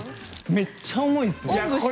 めっちゃ重いっすね。